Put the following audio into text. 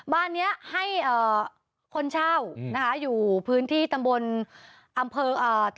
บ้านนี้ให้คนเช่าอยู่พื้นที่ตำบลบางสมัคร